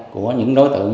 của những đối tượng